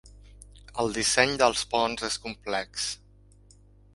El disseny dels ponts és complex.